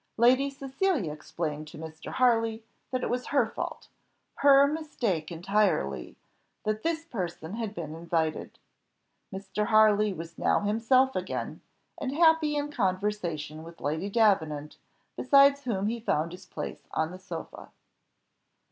Lady Cecilia explained to Mr. Harley, that it was her fault her mistake entirely that this person had been invited. Mr. Harley was now himself again, and happy in conversation with Lady Davenant, beside whom he found his place on the sofa.